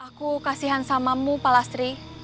aku kasihan samamu pak lastri